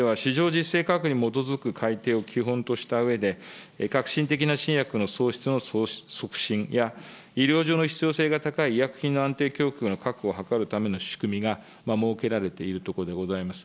実勢価格に基づく改定を基本としたうえで、革新的な新薬の創出の促進や、医療上の必要性が高い医薬品の安定供給の確保を図るための仕組みが設けられているところでございます。